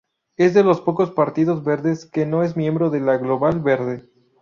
Es de los pocos partidos verdes que no es miembro de la Global Verde.